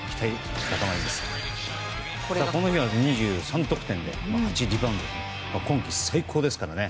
この日は２得点で８リバウンドと今季最高ですからね。